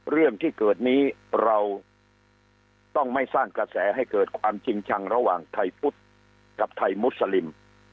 เรื่องที่เกิดนี้เราต้องไม่สร้างกระแสให้เกิดความจริงชังระหว่างไทยพุทธกับไทยมุสลิม